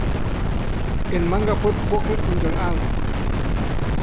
El manga fue "Poker Under Arms".